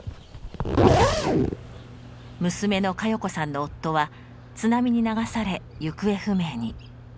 娘の佳世子さんの夫は津波に流され行方不明に。